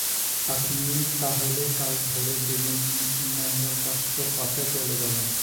আপনি তা হলে কাল ভোরে কেবিন নম্বর চারশো পাঁচে চলে যাবেন।